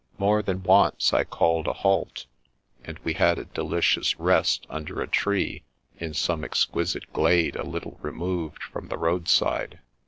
More than once I called a halt, and we had a deli cious rest under a tree in some exquisite glade a little removed from the roadside.